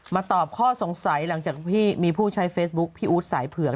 ตอบข้อสงสัยหลังจากที่มีผู้ใช้เฟซบุ๊คพี่อู๊ดสายเผือก